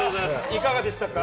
いかがでしたか？